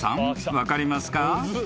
分かりますか？